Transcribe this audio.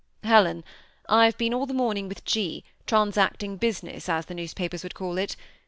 ^' Helen, I have been all the morning with G. trans acting business, as the newspapers would call it.